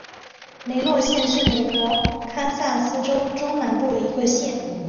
雷诺县是美国堪萨斯州中南部的一个县。